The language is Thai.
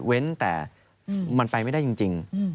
แต่มันไปไม่ได้จริง